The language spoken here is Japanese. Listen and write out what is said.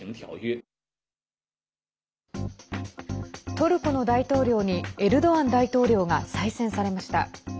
トルコの大統領にエルドアン大統領が再選されました。